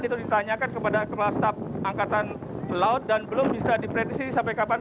itu ditanyakan kepada kepala staf angkatan laut dan belum bisa diprediksi sampai kapan